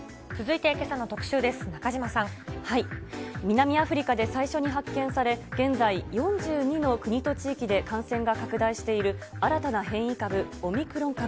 南アフリカで最初に発見され、現在、４２の国と地域で感染が拡大している新たな変異株、オミクロン株。